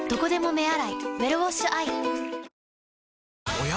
おや？